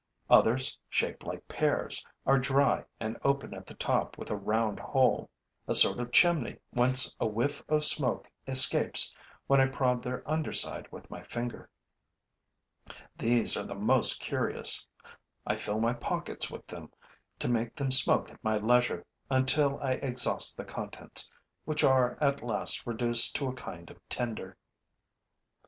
Others, shaped like pears, are dry and open at the top with a round hole, a sort of chimney whence a whiff of smoke escapes when I prod their under side with my finger. These are the most curious. I fill my pockets with them to make them smoke at my leisure, until I exhaust the contents, which are at last reduced to a kind of tinder.